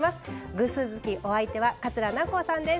偶数月お相手は桂南光さんです。